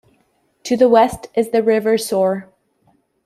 To the west is the River Soar.